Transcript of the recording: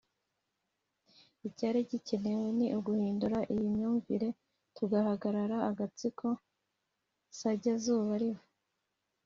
Icyari gikenewe ni uguhindura iyi myumvire tugahangara Agatsiko-sajya izuba riva